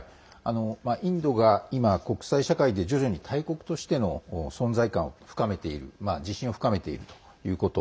インドが今、国際社会で大国としての存在感を深めている自信を深めているということ。